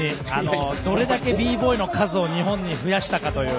どれだけＢＢＯＹの数を日本に増やしたかという。